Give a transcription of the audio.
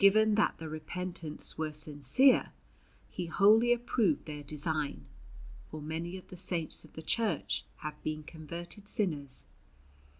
Given that the repentance were sincere, he wholly approved their design, for many of the Saints of the Church have been converted sinners.